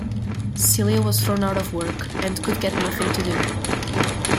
Celia was thrown out of work, and could get nothing to do.